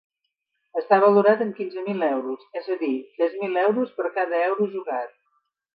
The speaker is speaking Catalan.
Està valorat amb quinze mil euros, és a dir, tres mil euros per cada euro jugat.